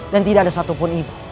dan tidak ada satupun ibu